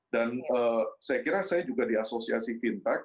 dan saya kira saya juga di asosiasi fintech